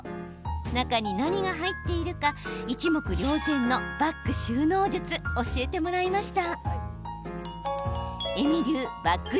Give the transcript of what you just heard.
中に何が入っているか一目瞭然のバッグ収納術教えてもらいました。